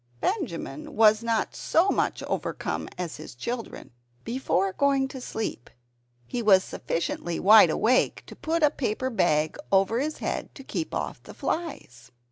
Benjamin was not so much overcome as his children. Before going to sleep he was sufficiently wide awake to put a paper bag over his head to keep off the flies.